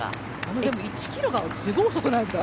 でも１キロがすごい遅くないですか？